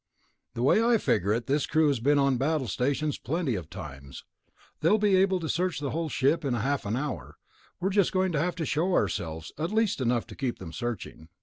The way I figure it, this crew has been on battle stations plenty of times. They'll be able to search the whole ship in half an hour. We're just going to have to show ourselves ... at least enough to keep them searching."